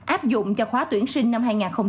áp dụng cho khóa tuyển sinh năm hai nghìn hai mươi